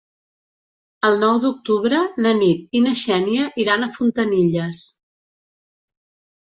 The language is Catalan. El nou d'octubre na Nit i na Xènia iran a Fontanilles.